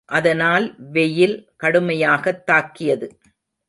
அதனால் வெயில் கடுமையாகத் தாக்கியது.